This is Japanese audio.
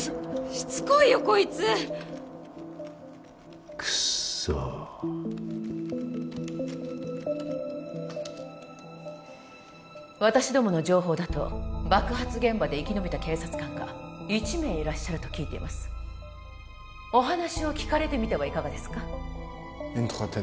しつこいよこいつクッソ私どもの情報だと爆発現場で生き延びた警察官が一名いらっしゃると聞いていますお話を聞かれてみてはいかがですか？